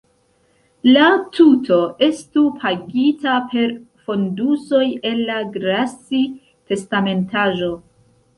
La tuto estu pagita per fondusoj el la Grassi-testamentaĵo.